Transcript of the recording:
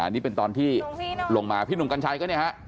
นี่เป็นตอนที่ลงมาพี่หนุ่มกัญชัยก็เนี่ยฮะ